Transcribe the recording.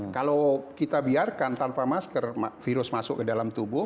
kalau kita biarkan tanpa masker virus masuk ke dalam tubuh